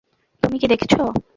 তুমি কী দেখছ?